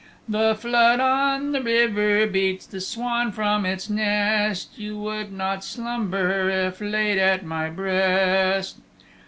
The flood on the river beats The swan from its nest! You would not slumber If laid at my breast!